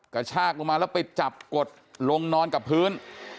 กระชากลงมาแล้วไปจับกดลงนอนกับพื้น